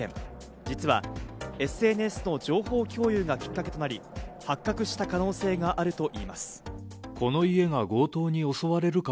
実はＳＮＳの情報共有がきっかけとなり、発覚した可能性があるといいます。